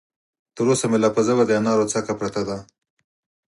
تر اوسه مې لا په ژبه د انارو څکه پرته ده.